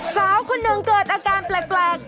สาวคนหนึ่งเกิดอาการแปลก